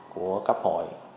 của cấp hội